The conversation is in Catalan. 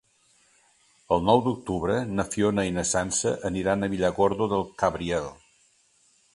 El nou d'octubre na Fiona i na Sança aniran a Villargordo del Cabriel.